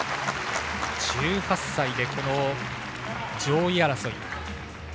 １８歳で上位争い。